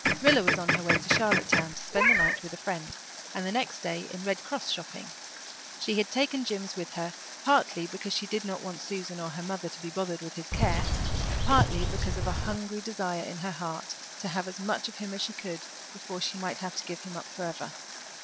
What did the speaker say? Rilla was on her way into Charlottetown to spend the night with a friend and the next day in Red Cross shopping; she had taken Jims with her, partly because she did not want Susan or her mother to be bothered with his care, partly because of a hungry desire in her heart to have as much of him as she could before she might have to give him up forever.